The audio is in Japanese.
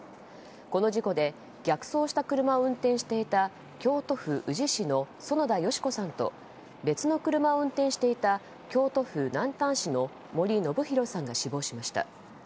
この事故で逆走した車を運転していた京都府宇治市の園田佳子さんと別の車を運転していた京都府南丹市の森伸広さんが死亡しました。